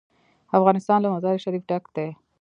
افغانستان له مزارشریف ډک دی.